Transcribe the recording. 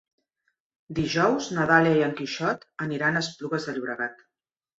Dijous na Dàlia i en Quixot aniran a Esplugues de Llobregat.